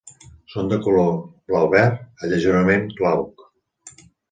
Són de color blau-verd a lleugerament glauc.